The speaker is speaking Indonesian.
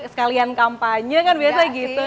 sekalian kampanye kan biasa gitu